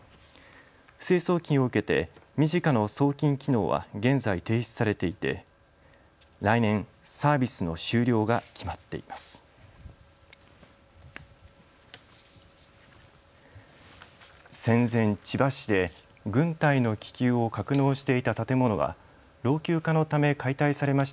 不正送金を受けてｍｉｊｉｃａの送金機能は現在停止されていて来年、サービスの終了が決まっています。